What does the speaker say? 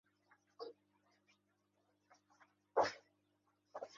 • Mingta it yegandan, mayli, bitta bo‘ri yesin.